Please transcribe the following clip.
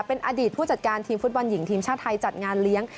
เป็นอดีตผู้จัดการทีมฟุตบอลหญิงทีมชาติไทยจัดงานเลี้ยง